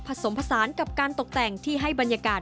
ผสมผสานกับการตกแต่งที่ให้บรรยากาศ